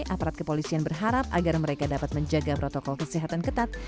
aparat kepolisian berharap agar mereka dapat menjaga protokol kesehatan ketat